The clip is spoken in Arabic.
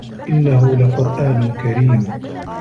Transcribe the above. إِنَّهُ لَقُرآنٌ كَريمٌ